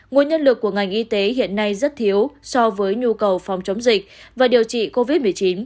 nguồn nhân lực của ngành y tế hiện nay rất thiếu so với nhu cầu phòng chống dịch và điều trị covid một mươi chín